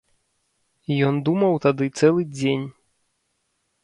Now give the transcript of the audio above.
Ён думаў тады цэлы дзень.